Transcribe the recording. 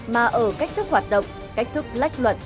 mà ở cách thức hoạt động cách thức lách luật